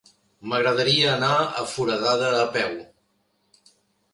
M'agradaria anar a Foradada a peu.